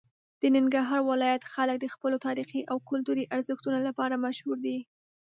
د ننګرهار ولایت خلک د خپلو تاریخي او کلتوري ارزښتونو لپاره مشهور دي.